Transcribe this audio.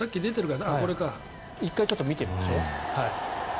１回見てみましょう。